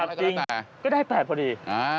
แล้วก็จับจริงก็ได้๘พอดี